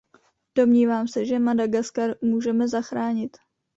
Domnívám se, že Madagaskar můžeme zachránit.